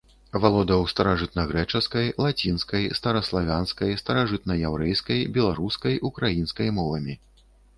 Валодаў старажытнагрэчаскай, лацінскай, стараславянскай, старажытнаяўрэйскай, беларускай, украінскай мовамі.